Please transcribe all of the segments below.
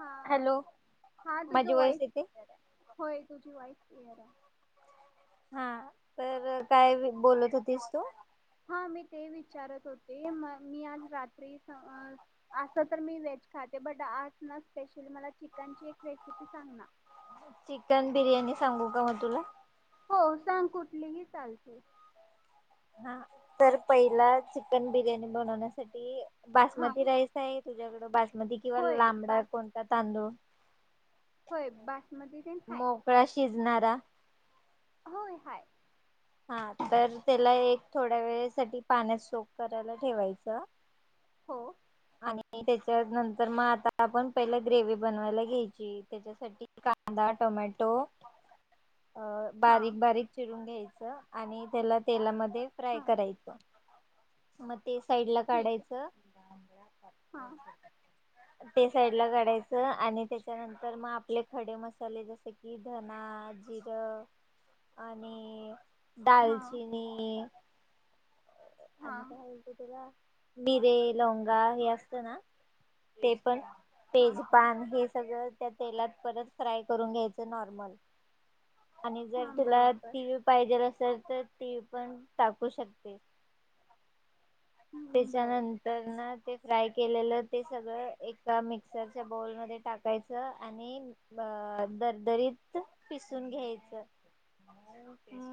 हा हा हॅलो हा तुझ माझी वॉइस वॉईस येते होय तुझी वाईस क्लियर आहे. हा तर काय बोलत होतीस तू हा मी तेच विचारत होते, मी आज रात्री अस तर मी व्हेज खाते, बट आज ना स्पेशली मला चिकनची एक रेसिपी सांग ना चिकन बिर्याणी सांगू का मग तुला? हो सांग कुठलीही चालते. हा तर पहिला चिकन बिर्याणी बनवण्यासाठी हा बासमती राईस आहे. तुझ्याकड बास मती किंवा होय लांबडा बास कोणता तांदूळ होय बासमती तेन हाय नारा होय हाय हा तर त्याला एक थोड्या वेळेसाठी पाण्यात सोक करायला ठेवायचं. हो आणि त्याच्या नंतर म आता आपण पहिले ग्रेवी बनवायला घ्यायची त्याच्यासाठी कांदा, टोमॅटो अ हा बारीक बारीक चिडून घ्याय आणि त्याला तेलाम ते फ्राय हा करायचं. मत ते साईड ला ठीक आहे काढायचं हा [inaudible] ते साईड ला काढायचं आणि त्याच्यानंतर मग आपले खडे मसाले जसे कि धना जिरं आणि हा दालचिनी हा आणि काय होतय तुला मिरे, लवंगा हे असत ना ते पण हा हा तेजपान हे सगळं त्या तेलात परत फ्राय करून घ्यायचं नॉर्मल आणि जर हा तुला बरोबर तीळ पाहिजेल असल तर तीळ पण टाकू शकते. हम्म, बरं त्याच्यानंतरन ते फ्राय केलेलं ते सगळ एका मिक्सरच्या बौल मध्ये टाकायचं आणि अ दरदरीत पिसून घ्यायच,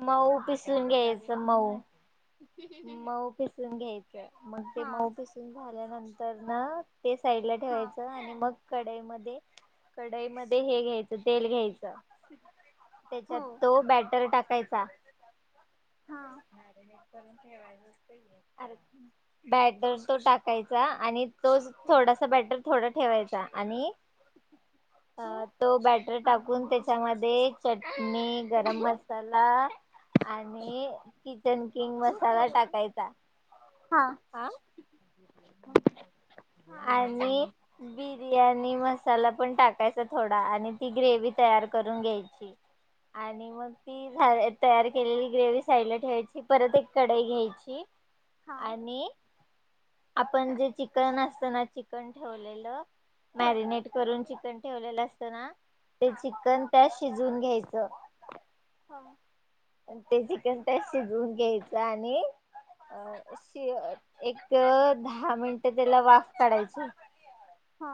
मऊ पिसून घ्यायचं, मऊ मऊ पिसून घ्याय मग ते हा मऊ पिसून झाल्यानं तर ना ते साईड ला हा ठेवायचं आणि मग कढईमध्ये कढईमध्ये हे घ्यायचं तेल घ्यायचं. त्याच्यात हो तो बॅटर टाक पैसा हा [unintelligible] आर बॅटर तो टाकायचा आणि तोच थोडसं बेटर थोडं ठेवायचा आणि अ हो तो बॅटरी हा टाकून त्याच्याम दे चट मी गरम मसाला आणि किचन किंग मसाला टाकायचा. हा हा हा आणि बी बिर्याणी मसाला पण टाकायचा थोडा आणि ती हा ग्रेवी तयार करून घ्यायची आणि मग ती झा तयार केलेली ग्रेवी साईडला ठेवायची परत एक कडाई घ्यायची. हा. आणि आपण जे चिकन असत ना चिकन ठेवलेलं होय मॅरिनेट करून चिकन ठेवलेला असतं ना ते हा चिकन त्यात शिजवून घ्यायचं. हा आण ते चिकन टेस शिजवून घ्यायचं आणि अ शी एक दहा मिनिटं त्याला वाफ काढायची. हा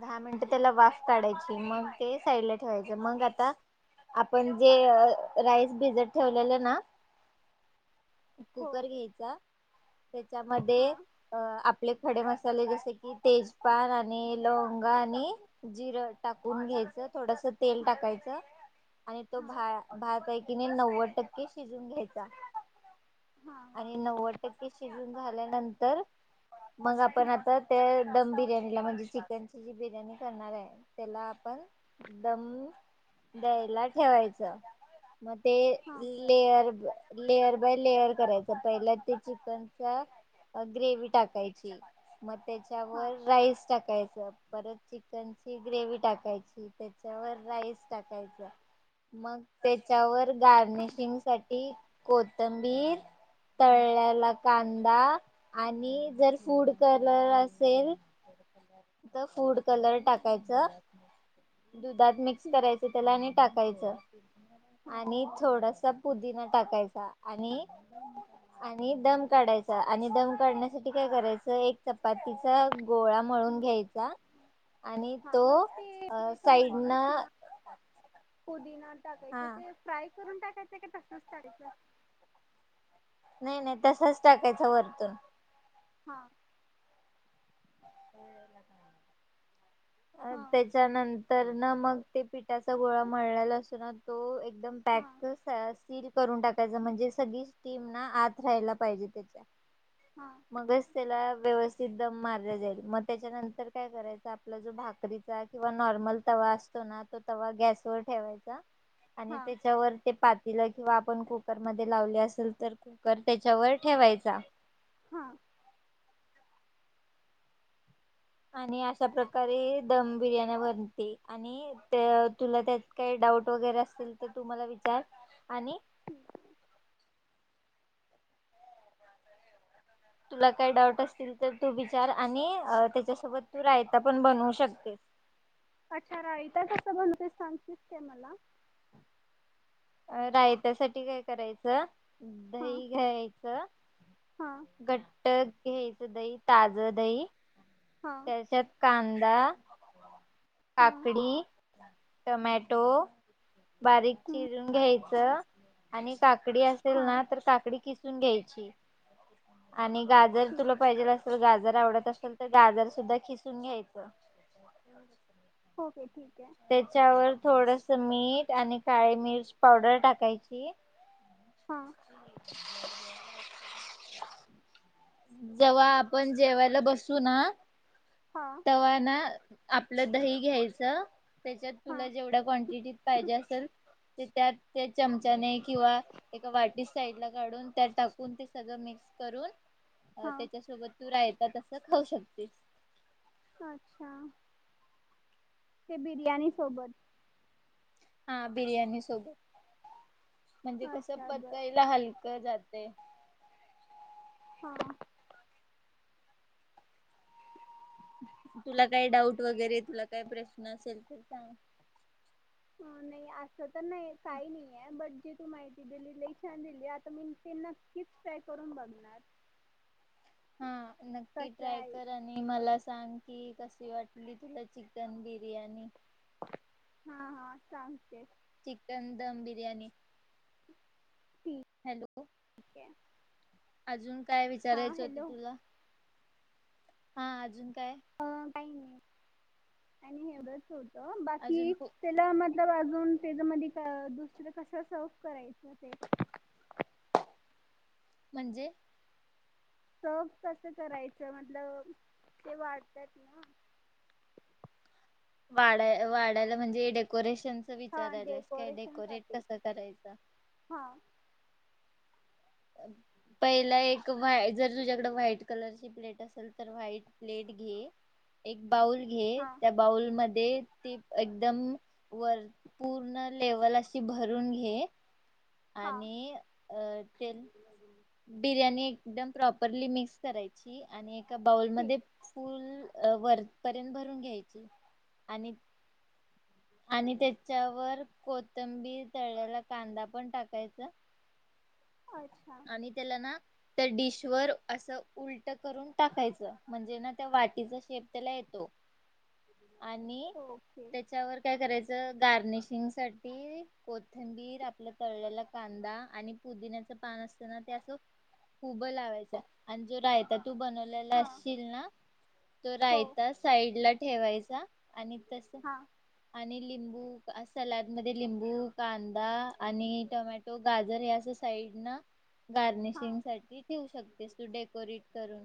दहा मिनट त्याला वाफ काढायची. मग ते साईडला ठेवायच. मग आता आपण जे राईस भिजत ठेवलेलं ना हो कुकर घ्यायचा हा त्याच्यामध्ये अ आप ले खडे मसाले जसे की तेजपान आणि लवंगा आणि जिरं टाकून घ्यायचं. थोडस तेल हा टाकायचं आणि तो हा भा भात हाय की नाही नव्वद टक्के शिजून घ्यायचा. हा हा आणि नव्वद टक्के शिजून झाल्यानंतर मग हा आपण आता ते दम बिर्याणीला म्हणजे चि कणची जी बिर्याणी करणार आहे त्याला आपण दम द्यायला ठेवायचं. ते हा बर लेअर लेअर बाय लेअर करायचा पहिला ते चिकनचा ग्रेवी टाकायची मग हा त्याच्यावर राईस टाकाय परत चिकनची ग्रेवी टाकायची त्याच्यावर राईस टाकायच मग त्याच्यावर गार्निशिंग साठी कोथंबीर तळलेला कांदा आणि जर फूड कलर असेल तर फूड कलर टाकायच. दुधात मिक्स ठीक करायच त्याला आणि टाकायचं. हा आणि थोड पुदीना टाकायचा आणि आणि दम काढायचा आणि दम काढण्यासाठी काय करायचं एक चपातीचा गोळा मळून घ्याय आणि हा तो मग ते जे साईड न पूदीना टाकायच हा ते फ्राय करून टाकायचं का तसच टाकायचं. नाही नाही तसच टाकायचं वरतून हा [inaudible] अ हा त्याच्यानंतर ना मग ते पिठाचा गोळा मळलेला असतो ना तो एक दम हा पॅक सिल करून टाकायच म्हणजे सगळीच टीम ना आत राहायला पाहिजे त्याच्या हा मगचं तेला व्यवस्थित दम मारला जाईल मग त्याच्यानंतर काय करायच आपला जो भाकरीचा किंवा नॉर्मल तवा असतो ना तो तवा गॅस वर ठेवायचा. आणि हा त्याच्यावर ते पातील किंवा आपण कुकरमध्ये लावले असेल तर कुकर तेच्यावर ठेवायचा हा आणि अशा प्रकारे दम बिर्याणी बनते आणि तुला त्यात काही डाऊट वगैरे असतील तर तु मला विचार आणि तुला काय डाऊट असतील तर तू विचार आणि त्याच्यासोबत तू रायता पण बनवू शकते अच्छा रायता कसं बनवू ते सांगतिस काय मला अ रायत्यासाठी काय करायचं हा दही घ्यायचं हा घट्ट हे घ्यायचं दही ताज दही हा त्याच्यात कां दा हा काकडी टोमॅटो बारीक हम्म, चिरून हा घ्यायचं आणि काकडी असेल हा ना तर काकडी किस किसुन घ्यायची आणि गाजर तुला ठीक आहे पाहिजेल असेल गाजर जर आवडत असेल तर गाजर सुद्धा खिसून घ्यायचं ओके. ठीक आहे त्याच्यावर थोडस मीठ आणि काळी मिर्च पावडर टाकायची हा. [inaudible] जेव्हा आपण जेवायला बसू ना हा तवा ना आपलं दही घ्यायचं त्याच्यात हा तुला जेवढ्या क्वांटिटीत पाहिजे असल ते त्यात त्या चमचाने किंवा एका वाटी साईड ला काढून त्यात टाकून ते सगळं मिक्स करून हा त्याच्यासोबत तू राय तस खाऊ शकतेस अच्छा ते बिर्याणी सोबत हा बिर्यानी सोबत म्हणजे कसं अच्छा बर पचायला हलकं जात ते - हा - तुला काय डाऊट वगैरे तुला काय प्रश्न असेल तर सांग हो तर नाही काही नाही आहेे बट जे तु माहिती दिली ती लई छान दिली आता मी ती नक्कीच ट्राय करून बघणार हा नक्की कसं ट्राय आहे कर आणि मला सांग की कस कशी वाटली तुला चिकन बिर्याणी हा हा सांगते चिकन दम बिर्याणी ठीक हॅलो आहे अजून काय हा विचारायचं होत हॅलो तुला? हा अजून काय? अ, काही नाही आणि एवढंच होतं बाकी अजून खूप त्याला म वाजून त्याज मधी दुसरं कस सर्व्ह करायचं ते म्हणजे सर्व्ह कसं करायचं म्हटलं ते वाढत्यात ना वाढ वाढायला म्हणजे डेकोरेश शन च हा विचारायल्यास काय डेकोरेशन डेकोरेट साठी कस करायच. हा पहिला एक व जर तुझ्याकड व्हाईट कलर ची प्लेट असेल तर व्हाईट प्लेट घे एक बाऊल घे हां त्या बाऊलम ते ती एकदम वर पूर्ण लेवल अशी भरून घे हां आणि अ ते बिर्याणी एकदम प्रॉपरली मिक्स करायची आणि एक एका ठीक बाऊलमध्ये फुल अ वरपर्यंत भरून घ्यायची आणि आणि त्याच्यावर कोथंबीर तळ्याल्याला कांदा पण टाकायचा. अच्छा आणि त्याला ना त्या डिश वर असं उलट करून टाकायचं म्हणजे ना त्या वाटीचा शेप त्याला येतो. आणि ओके त्याच्यावर काय करायचं गार्निशिंग साठी कोथिंबीर आपल्या तळल्याला कांदा आणि पुदिन्याच पान असताना ते असं उभं लावायचं आणि जो रायता तू बनलेला हां असशील ना तो हो रायता साईड ला ठेवायचा आणि तस हां आणि लि तुप सलाइडमध्ये लिंबू कांदा आणि टोमॅटो गाजर हे असं साईड न हां गार्निशिंग साठी ठेवू शकतेस. तू डेकोरेट करून,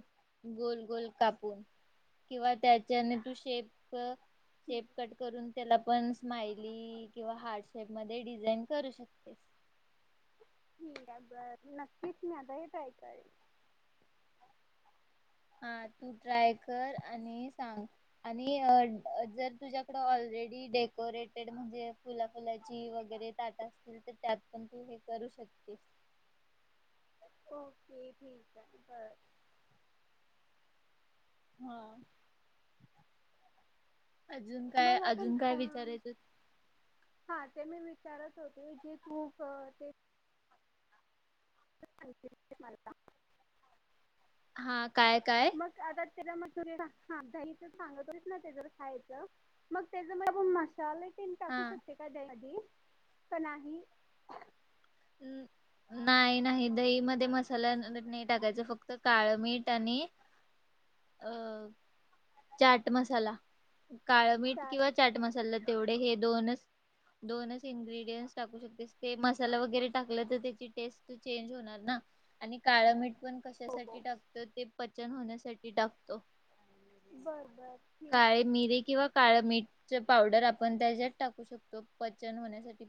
गोल-गोल कापून किंवा त्याच्याने तू शेप ठीक शेप कट करून त्याला पण स्माइली किंवा हार्डशेप मध्ये डिझाईन करू शकतेस. नक्कीच मी आता हे ट्राय करेन. हा तू ट्राय कर आणि सांग आणि जर तुझ्याकड ऑलरेडी डेकोरेटेड म्हणजे फुला-फुलाची वगैरे ताट असतील तर त्यात पण तू हे करू शकतेस. ओके ठीक आहे बर. हा! अजून काय मग आपण अजून काय अं, विचारायचं? हां ते मी विचारत होते की तु प ते [unintelligible] हा काय काय? [inaudible] खायचं मग मसाले तन हा टाकू शकते का त्यामध्ये का नाही? नाही नाही दही मध्ये मसाला नाही टाकायचा. फक्त काळं मीठ आणि अ चाट मसाला. काळं मीठ अच्छा किंवा चाट मसाला तेवढे हे दोनच दोनच इन्ग्रेडियंट् टाकू शकतेस ते मसाला वगैरे टाकलं तर त्याची टेस्ट चेंज होणार ना आणि काळ मिठ पण हो कशासाठी हो टाकतो ते चन होण्यासाठी टाकतो. बरं बरं ठीक काळे आहे मिरीे किंवा काळं मीठच्या पावडर आपण त्याच्यात टाकू शकतो, पचन होण्यासाठी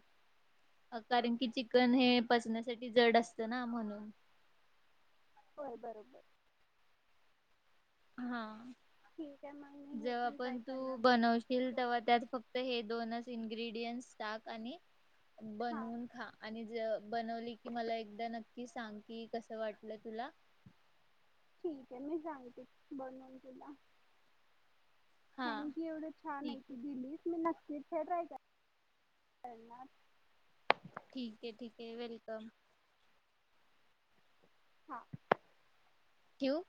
कारण की चिकन हे पचण्यासाठी जड असतं ना म्हणून. होय बरोबर. हा. ठीक आहे मग मी हे जेव्हा ट्राय पण तू करणार बघ बनवशील बघ तेव्हा त्यात फक्त हे दोन इन्गेडियंट इंग्रीडीएन्स टाक आणि हां बनवून खा. आणि ज बनवलं की मला एकदा न कि सांग कि कसं वाटलं तुला? ठीक आहे मी सांगते बनवून तुला. हा थँक्यू! एवढं छान ठीक महिती आहे दिलीस मी नक्क तिथे ट्राय कर करणार ठिक आहे ठिक आहे वेलकम. हां! ठेऊ?